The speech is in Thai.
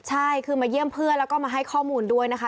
ใช่คือมาเยี่ยมเพื่อนแล้วก็มาให้ข้อมูลด้วยนะคะ